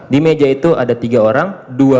di meja itu ada tiga orang